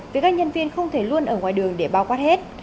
vì các nhân viên không thể luôn ở ngoài đường để bao quát hết